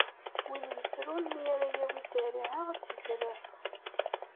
Win yettrun mi ara yawi zerriɛa ad tt-izreɛ.